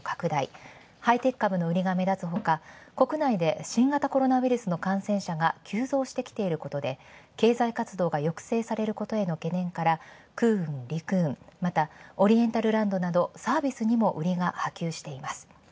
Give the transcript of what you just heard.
ハイテク株の売りが目立つほか国内で新型コロナウイルスの感染者が急増してきていることで経済活動が抑制されることの懸念から、空運陸運オリエンタルランドでも波及しています。